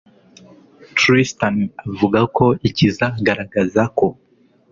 Tristan avuga ko ikizagaragaza ko